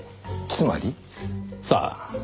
つまり？さあ？